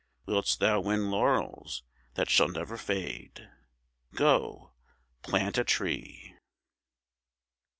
Wouldst thou win laurels that shall never fade? Go plant a tree.